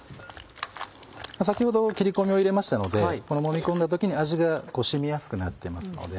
先ほど切り込みを入れましたのでこのもみ込んだ時に味が染みやすくなってますので。